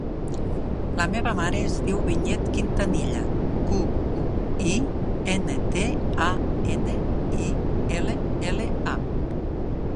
La meva mare es diu Vinyet Quintanilla: cu, u, i, ena, te, a, ena, i, ela, ela, a.